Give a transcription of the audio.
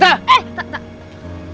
eh tak tak